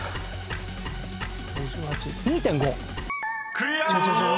［クリア！］